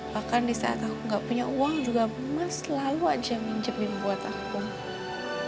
bahkan di saat aku nggak punya uang juga mas selalu aja minjepin buat aku